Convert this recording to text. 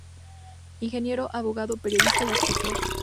Ingeniero, abogado, periodista y escritor.